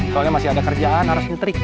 soalnya masih ada kerjaan harusnya trika